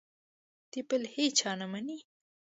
د بل هېچا نه مني.